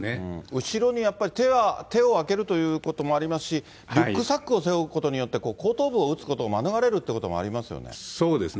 後ろにやっぱり、手をあけるということもありますし、リュックサックを背負うことによって、後頭部を打つことを免れるということもありますよね。